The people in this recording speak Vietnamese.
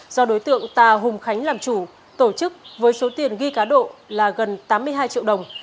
do đối tượng tà hùng khánh làm chủ tổ chức với số tiền ghi cá độ là gần tám mươi hai triệu đồng